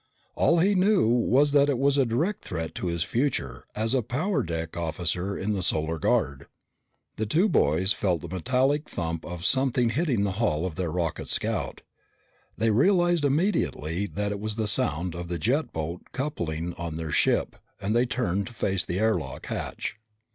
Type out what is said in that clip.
All he knew was that it was a direct threat to his future as a power deck officer in the Solar Guard. The two boys felt the metallic thump of something hitting the hull of their rocket scout. They realized immediately that it was the sound of the jet boat coupling on their ship and they turned to face the air lock hatch.